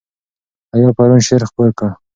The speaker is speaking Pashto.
حیا پرون شعر خپور کړ.